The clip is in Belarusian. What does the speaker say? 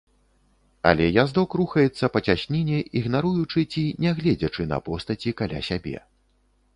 Але яздок рухаецца па цясніне ігнаруючы ці не гледзячы на постаці каля сябе.